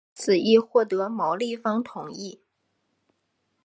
此议获得毛利方同意。